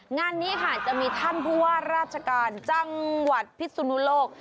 งานนี้จะมีท่านภูวาราชการจังหวัดพิษสุนุโลก